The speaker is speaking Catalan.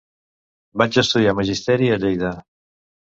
Vaig estudiar magisteri a Lleida.